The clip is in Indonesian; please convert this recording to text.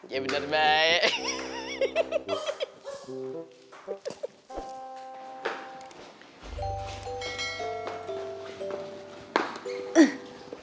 ya benar baik